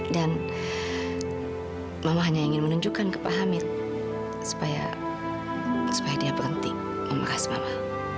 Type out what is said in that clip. dan mama hanya ingin menunjukkan ke pak hamid supaya dia berhenti memarahi mama